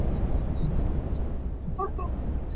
I si hlah usih.